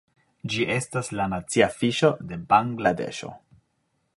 Ĝi estas la nacia fiŝo de Bangladeŝo.